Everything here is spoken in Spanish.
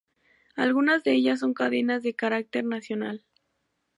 Algunas de ellas son cadenas de carácter nacional.